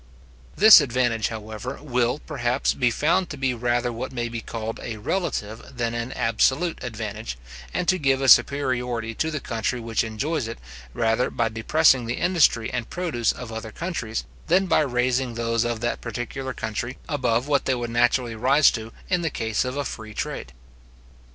This advantage, however, will, perhaps, be found to be rather what may be called a relative than an absolute advantage, and to give a superiority to the country which enjoys it, rather by depressing the industry and produce of other countries, than by raising those of that particular country above what they would naturally rise to in the case of a free trade.